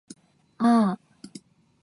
ぁー